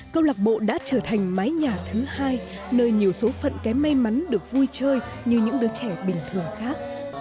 câu lạc bộ đã trở thành mái nhà thứ hai nơi nhiều số phận kém may mắn được vui chơi như những đứa trẻ bình thường khác